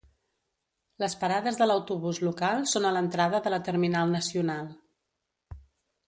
Les parades de l'autobús local són a l'entrada de la terminal nacional.